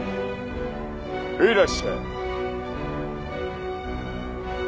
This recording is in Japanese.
いらっしゃい。